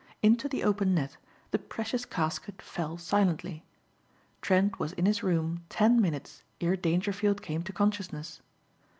Into the open net the precious casket fell silently. Trent was in his room ten minutes ere Dangerfield came to consciousness.